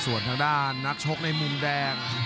ส่วนทางด้านนักชกในมุมแดง